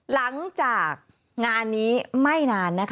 หลังจากงานนี้ไม่นาน